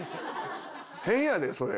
変やでそれ！